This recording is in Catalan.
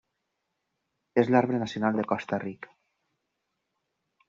És l'arbre nacional de Costa Rica.